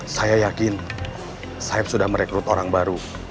saya yakin saya sudah merekrut orang baru